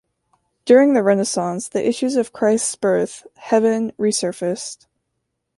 During the Renaissance, the issues of Christ’s birth, heaven, resurfaced.